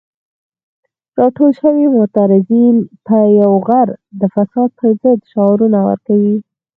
راټول شوي معترضین په یو غږ د فساد پر ضد شعارونه ورکوي.